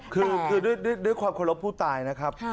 คือด้วยความเคารพผู้ตายนะครับ